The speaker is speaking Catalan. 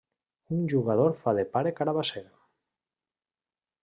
Un jugador fa de pare Carabasser.